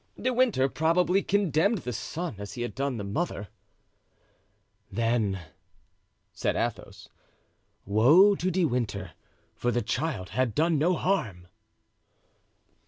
De Winter probably condemned the son as he had done the mother." "Then," said Athos, "woe to De Winter, for the child had done no harm."